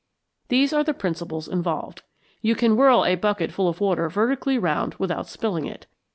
These are the principles involved. You can whirl a bucket full of water vertically round without spilling it.